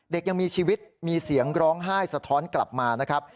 ยังมีชีวิตมีเสียงร้องไห้สะท้อนกลับมานะครับ